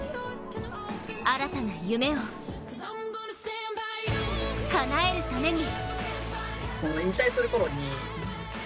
新たな夢をかなえるために。